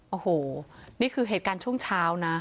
โอ้โหนี่คือเหตุการณ์ช่วงเช้านะ